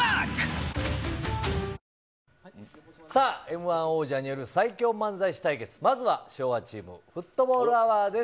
Ｍー１王者による最強漫才師対決、まずは昭和チーム、フットボールアワーです。